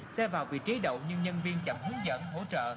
xe vào vị trí đậu nhưng nhân viên chậm hướng dẫn hỗ trợ